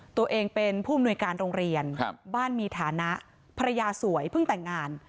ตัวเองเป็นผู้อำนวยการโรงเรียนบ้านมีฐานะภรรยาสวยเพิ่งแต่งงาน